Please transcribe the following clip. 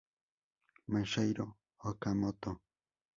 Masahiro Okamoto